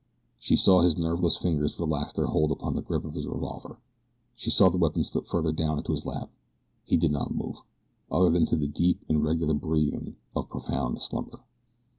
She saw his nerveless fingers relax their hold upon the grip of his revolver. She saw the weapon slip farther down into his lap. He did not move, other than to the deep and regular breathing of profound slumber.